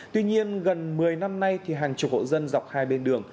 tuy nhiên gần một mươi năm nay thì hàng chục hộ dân dọc hai bên đường